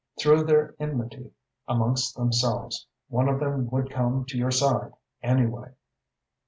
Through their enmity amongst themselves, one of them would come to your side, anyway.